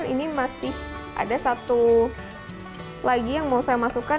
ini masih ada satu lagi yang mau saya masukkan